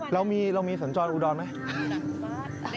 เรามีเรามีสัญชาวอูดาวไหมอ้า